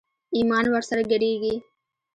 ايمان ور سره ګډېږي.